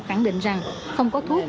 khẳng định rằng không có thuốc